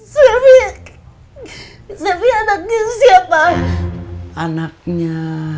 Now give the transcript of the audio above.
serik serik anaknya siapa anaknya